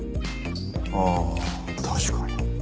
ああ確かに。